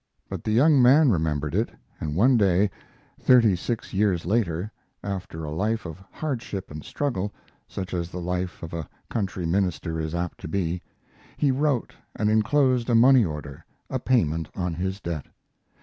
But the young man remembered it, and one day, thirty six years later, after a life of hardship and struggle, such as the life of a country minister is apt to be, he wrote and inclosed a money order, a payment on his debt.